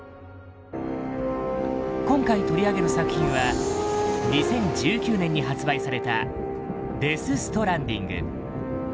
今回取り上げる作品は２０１９年に発売された「デス・ストランディング」。